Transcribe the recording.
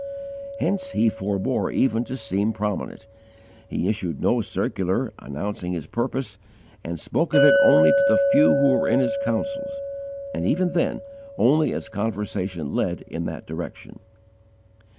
Hence he forbore even to seem prominent: he issued no circular, announcing his purpose, and spoke of it only to the few who were in his councils, and even then only as conversation led in that direction.